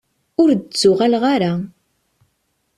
Ur d-ttuɣaleɣ ara.